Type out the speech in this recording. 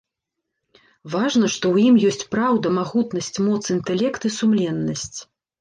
Важна, што ў ім ёсць праўда, магутнасць, моц, інтэлект і сумленнасць.